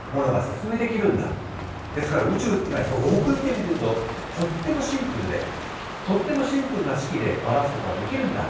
ですから宇宙っていうのはよく見てみるととってもシンプルでとってもシンプルな式で表すことができるんだ。